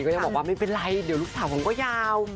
จะบอกว่าไม่เป็นไรเดี๋ยวลูกสาวของก็ยาว